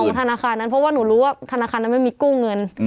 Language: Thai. ธนาคารนั้นเพราะว่าหนูรู้ว่าธนาคารนั้นไม่มีกู้เงิน